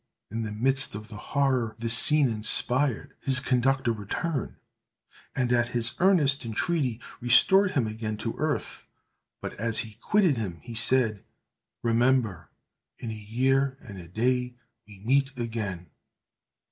In the midst of the horror this scene inspired, his conductor returned, and at his earnest entreaty, restored him again to earth; but, as he quitted him, he said, "Remember!—in a year and a day we meet again!"